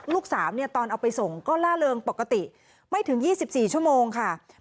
ลูกสาวเนี่ยตอนเอาไปส่งก็ล่าเริงปกติไม่ถึง๒๔ชั่วโมงค่ะ